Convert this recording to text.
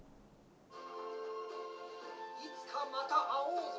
「いつかまた会おうぞ！」